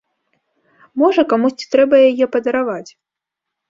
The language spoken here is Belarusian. Можа, камусьці трэба яе падараваць.